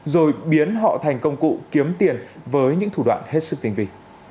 rồi biến họ thành công cụ kiếm tiền với những thủ đoạn hết sức tình vị